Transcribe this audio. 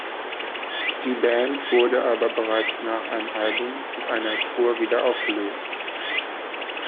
Die Band wurde aber bereits nach einem Album und einer Tour wieder aufgelöst.